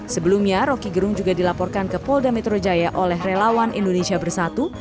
sebelumnya roky gerung juga dilaporkan ke polda metro jaya oleh relawan indonesia bersatu